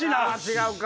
違うか。